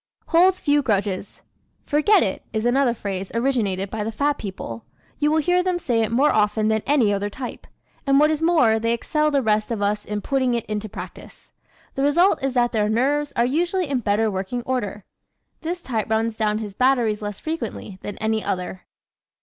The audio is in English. Holds Few Grudges ¶ "Forget it" is another phrase originated by the fat people. You will hear them say it more often than any other type. And what is more, they excel the rest of us in putting it into practice. The result is that their nerves are usually in better working order. This type runs down his batteries less frequently than any other.